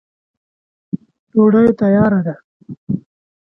ډوډی تیاره ده.